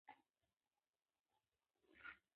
نجلۍ د ښکلا نښه ده.